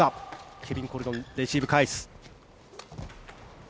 ケビン・コルドンレシーブ返す。